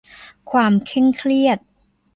ความเคร่งเครียด